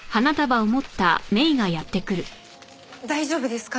大丈夫ですか？